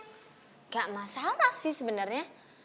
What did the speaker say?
enggak masalah sih sebenarnya